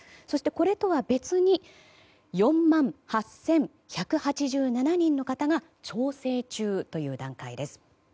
そして、これとは別に４万８１８７人の方が調整中という段階です。